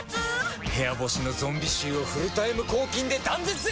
部屋干しのゾンビ臭をフルタイム抗菌で断絶へ！